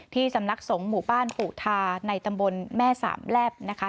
สำนักสงฆ์หมู่บ้านปู่ทาในตำบลแม่สามแลบนะคะ